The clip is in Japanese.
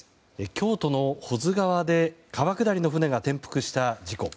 京都の保津川で川下りの船が転覆した事故。